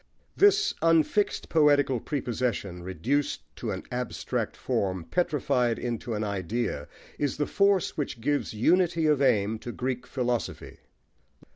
This unfixed poetical prepossession, reduced to an abstract form, petrified into an idea, is the force which gives unity of aim to Greek philosophy.